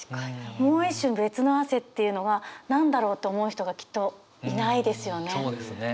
「もう一種べつの汗」っていうのが何だろうって思う人がきっといないですよね。